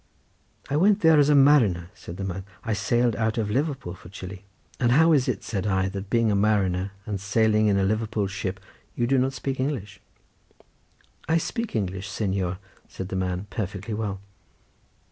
"I went there as a mariner," said the man; "I sailed out of Liverpool for Chili." "And how is it," said I, "that being a mariner and sailing in a Liverpool ship you do not speak English?" "I speak English, señor," said the man, "perfectly well."